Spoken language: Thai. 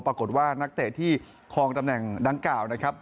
ปรากฏว่านักเตะที่คลองตำแหน่งดังกล่าวนะครับ